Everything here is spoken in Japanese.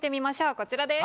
こちらです。